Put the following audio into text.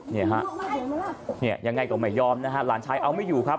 เนี่ยฮะเนี่ยยังไงก็ไม่ยอมนะฮะหลานชายเอาไม่อยู่ครับ